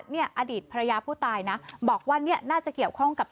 อดีตภรรยาผู้ตายนะบอกว่าเนี่ยน่าจะเกี่ยวข้องกับ